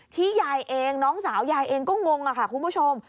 ยายเองน้องสาวยายเองก็งงค่ะคุณผู้ชม